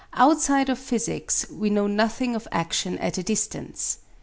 Outside of physics we know nothing of action at a distance.